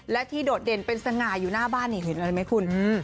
และที่โดดเด่นเป็นสง่าอยู่หน้าบ้านเห็นอะไรไหมคุณ